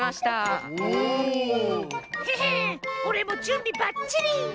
おおっ！へへおれもじゅんびばっちり！